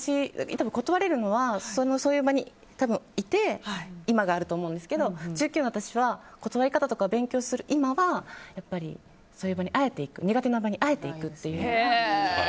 多分、断れるのはそういう場にいて今があると思うんですけど１９の私は断り方とか勉強する今はそういう場に苦手な場にあえて行く。